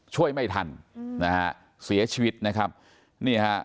ช่วยไม่ทันนะฮะเสียชีวิตนะครับนี่ฮะ